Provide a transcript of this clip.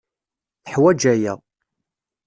Teḥwaj aya.